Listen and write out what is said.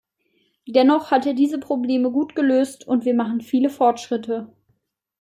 Dennoch hat er diese Probleme gut gelöst, und wir machen viele Fortschritte.